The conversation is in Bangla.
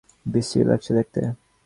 বিশ্রী লাগছে দেখতে।